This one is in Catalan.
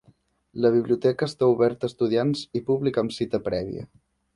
La biblioteca està oberta a estudiants i públic amb cita prèvia.